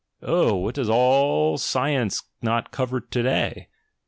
Oh, what does all science nof cover to day?